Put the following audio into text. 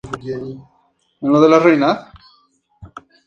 La misma que viene cumpliendo muy acertadamente sus funciones.